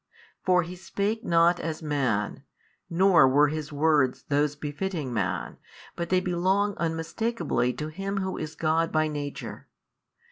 for He spake not as man, nor were His Words those befitting man, but they belong unmistakeably to Him Who is God by Nature.